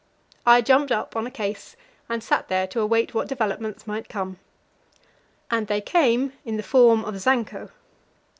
I jumped up on a case, and sat there to await what developments might come. And they came in the form of Zanko.